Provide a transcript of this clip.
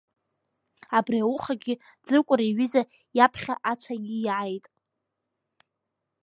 Абри аухагьы Ӡыкәыр, иҩыза иаԥхьа ацәа ииааит.